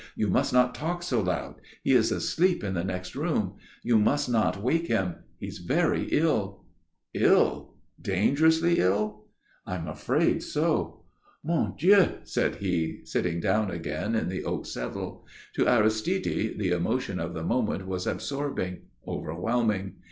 "You must not talk so loud. He is asleep in the next room. You mustn't wake him. He is very ill." "Ill? Dangerously ill?" "I'm afraid so." "Mon Dieu," said he, sitting down again in the oak settle. To Aristide the emotion of the moment was absorbing, overwhelming.